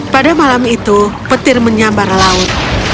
pada malam itu petir menyambar laut